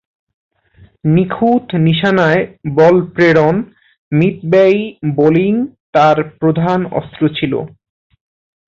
নিখুঁত নিশানায় বল প্রেরণ, মিতব্যয়ী বোলিং তার প্রধান অস্ত্র ছিল।